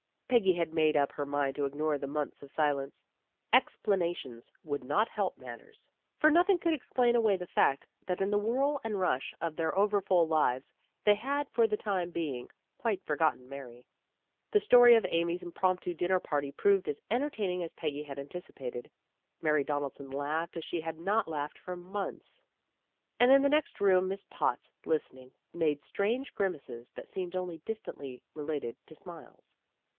Peggy had made up her mind to ignore the months of silence. Ex planations would not help matters, for nothing 34 PEGGY RAYMOND'S WAY could explain away the fact that in the whirl and rush of their over full lives they had, for the time being, quite forgotten Mary. The story of Amy 's impromptu dinner party proved as entertaining as Peggy had antici pated. Mary Donaldson laughed as she had not laughed for months. And in the next room Miss Potts, listening, made strange grimaces that seemed only distantly related to smiles.